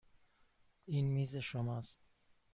این میز شماست.